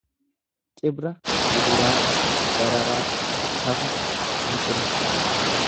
Cibra gidiraa, dararaa fafa, hanqina